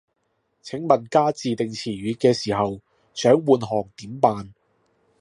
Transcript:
請問加自訂詞語嘅時候，想換行點辦